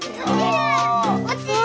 落ちる。